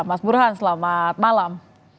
mas burhan selamat malam